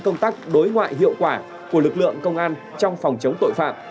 công tác đối ngoại hiệu quả của lực lượng công an trong phòng chống tội phạm